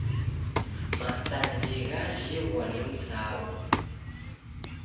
Masanji ghajhingwa ni msaghu.